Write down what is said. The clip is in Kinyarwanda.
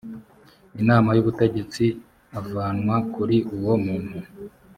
inama y ubutegetsi avanwa kuri uwo muntu